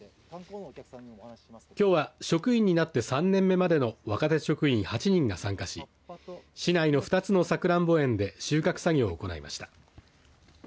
きょうは職員になって３年目までの若手職員８人が参加し市内の２つのさくらんぼ園で収穫作業を行いました。